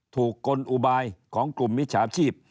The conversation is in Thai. ถูกกลุ่นอุบายของกลุ่มมิจฉาชีพ